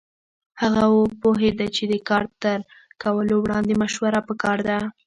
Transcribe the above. هغه پوهېده چې د کار تر کولو وړاندې مشوره پکار ده.